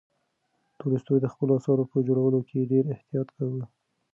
تولستوی د خپلو اثارو په جوړولو کې ډېر احتیاط کاوه.